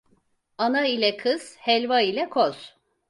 Ana ile kız, helva ile koz.